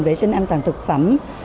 vệ sinh an toàn thực phẩm